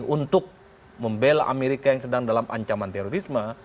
untuk membela amerika yang sedang dalam ancaman terorisme